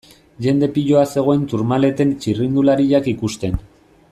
Jende piloa zegoen Tourmaleten txirrindulariak ikusten.